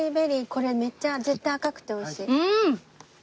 これめっちゃ絶対赤くて美味しい。